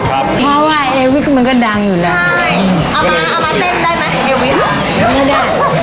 ครับเพราะว่าเอวิสมันก็ดังอยู่แล้วใช่เอามาเอามาเต้นได้ไหม